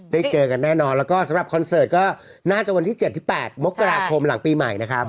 เจอกันแน่นอนแล้วก็สำหรับคอนเสิร์ตก็น่าจะวันที่๗๘มกราคมหลังปีใหม่นะครับ